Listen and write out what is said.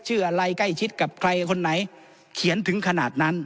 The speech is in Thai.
อะไรใกล้ชิดกับใครคนไหนเขียนถึงขนาดนั้น